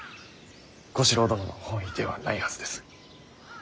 小四郎殿の本意ではないはずです。